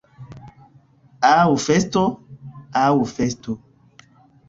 Aŭ festo, aŭ fasto.